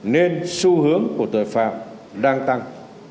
nên xu hướng của tội phạm đang tăng